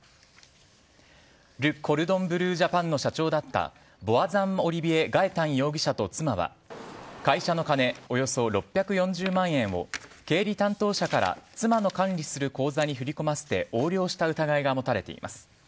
ル・コルドン・ブルー・ジャパンの社長だったヴォワザン・オリビエ・ガエタン容疑者と妻は会社の金およそ６４０万円を経理担当者から妻の管理する口座に振り込ませて横領した疑いが持たれています。